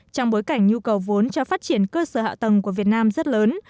trong bối cảnh nhu cầu vốn cho phát triển cơ sở hạ tầng của việt nam rất lớn